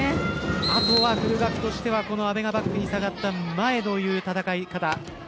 あとは古学としては阿部がバックに下がった前という戦い方。